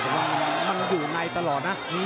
มันอยู่ในตลอดนะ